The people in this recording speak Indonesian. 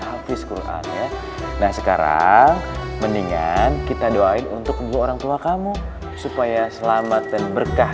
hafiz quran ya nah sekarang mendingan kita doain untuk dua orang tua kamu supaya selamat dan berkah